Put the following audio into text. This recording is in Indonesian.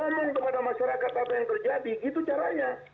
ngomong kepada masyarakat apa yang terjadi gitu caranya